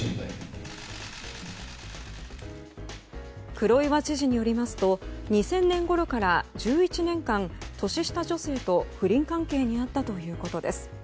黒岩知事によりますと２０００年ごろから１１年間年下女性と不倫関係にあったということです。